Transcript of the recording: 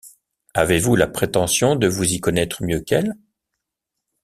Avez-vous la prétention de vous y connaître mieux qu’elle?